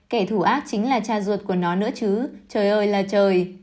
kẻ thủ ác chính là cha ruột của nó nữa chứ trời ơi là trời